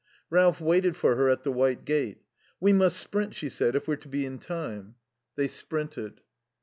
Ralph waited for her at the white gate. "We must sprint," she said, "if we're to be in time." They sprinted.